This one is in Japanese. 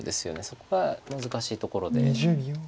そこが難しいところで。